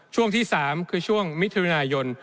ช่วงที่๓คือช่วงมิถุนายน